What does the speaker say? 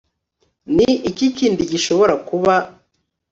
Ni iki kindi gishobora kuba